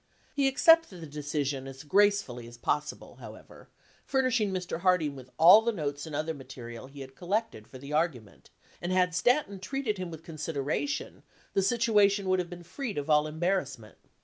He accepted the decision as gracefully as possible, however, furnishing Mr. Harding with all the notes and other mate rial he had collected for the argument, and had Stanton treated him with consideration, the situation would have been freed of all embarrass ment.